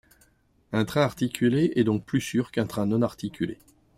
Un train articulé est donc plus sûr qu'un train non articulé.